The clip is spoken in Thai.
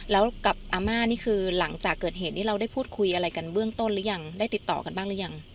แล้วกับอาม่านี่คือหลังจากเกิดเหตุนี้เราได้พูดคุยอะไรกันเบื้องต้นหรือยังได้ติดต่อกันบ้างหรือยัง